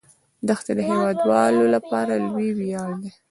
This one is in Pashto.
دښتې د هیوادوالو لپاره لوی ویاړ دی.